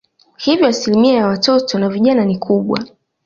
Hivyo asilimia ya watoto na vijana ni kubwa.